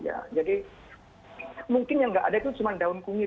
jadi mungkin yang nggak ada itu cuma daun kunyit